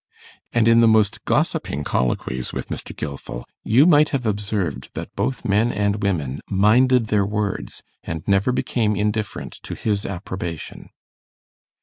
And in the most gossiping colloquies with Mr. Gilfil, you might have observed that both men and women 'minded their words', and never became indifferent to his approbation.